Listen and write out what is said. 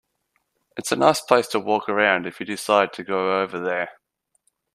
It's a nice place to walk around if you decide to go over there.